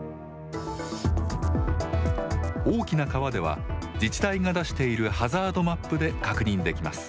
大きな川では自治体が出しているハザードマップで確認できます。